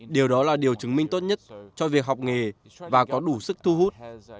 điều đó là điều chứng minh tốt nhất cho việc học nghề và có đủ sức thu hút